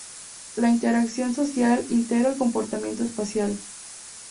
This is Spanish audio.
La interacción social integra el comportamiento espacial.